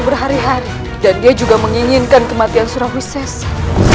berhari hari dan dia juga menginginkan kematian surah wisesa